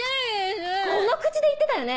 この口で言ってたよね？